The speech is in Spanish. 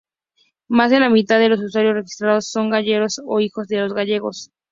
Más de la mitad de los usuarios registrados son gallegos o hijos de gallegos.